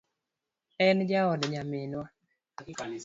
En jaod nyaminwa